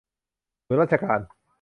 ศูนย์ราชการ